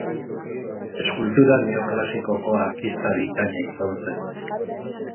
Eskultura neoklasikoko artista bikaina izan zen.